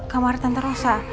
kamar tante rosa